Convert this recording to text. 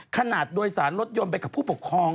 ขนาดโดยสารลดยนต์มาสนุนทางผู้ปกครอง